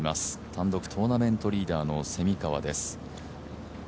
単独トーナメントリーダーの蝉川です。